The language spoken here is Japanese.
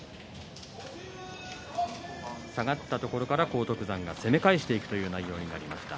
下がったところから荒篤山が攻め返していく内容になりました。